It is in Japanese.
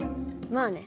まあね。